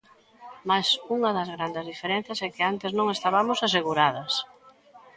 Mais unha das grandes diferenzas é que antes non estabamos aseguradas.